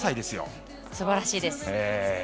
すばらしいです。